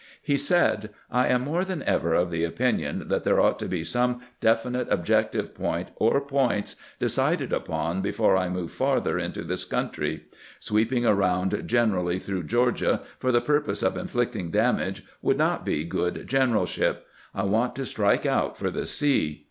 He said :" I am more than ever of the opinion that there ought to be some definite objective point or points de cided upon before I move farther into this country; sweeping around generally through Georgia for the pur pose of inflicting damage would not be good generalship ; I want to strike out for the sea.